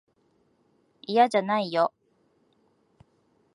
いやじゃないよ。